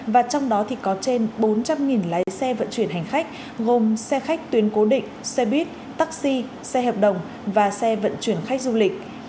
và trong đó thì có trên bốn trăm linh lái xe vận chuyển hành khách gồm xe khách tuyến cố định xe buýt taxi xe hợp đồng và xe vận chuyển khách du lịch